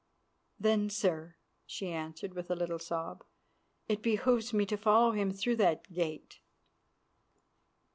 "Then, sir," she answered, with a little sob, "it behoves me to follow him through that gate."